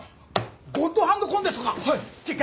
ゴッドハンドコンテストか！